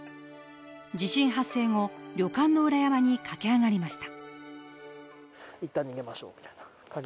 地震発生後、旅館の裏山に駆け上がりました。